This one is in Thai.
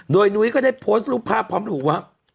โดยนุ้ยก็ได้โพสต์รูปภาพพร้อมระบุว่า